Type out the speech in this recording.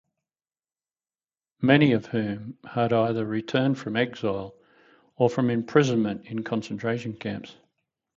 Many of whom had either returned from exile or from imprisonment in concentration camps.